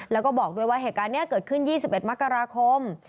แล้วก็บอกด้วยว่าเหตุการณ์นี้เกิดขึ้น๒๑มกราคม